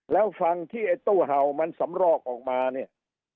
แล้วฝั่งที่ไอ้ตู้เห่ามันสำรอกออกมาเนี่ย